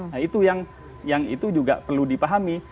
nah itu yang itu juga perlu dipahami